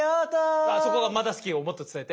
あそこが「まだ好き」をもっと伝えて。